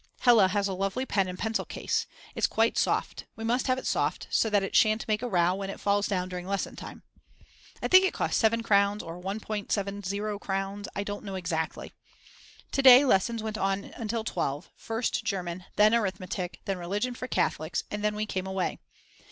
Hella has a lovely pen and pencil case; it's quite soft, we must have it soft so that it shan't make a row when it falls down during lesson time. I think it cost 7 crowns or 1.70 crowns, I don't know exactly. To day lessons went on until 12, first German, then arithmetic, then religion for Catholics, and then we came away.